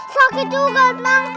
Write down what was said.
sakit juga bang